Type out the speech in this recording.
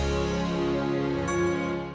nah akhirnya risetwooo serik uncle